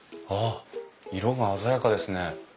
あ色が鮮やかですね。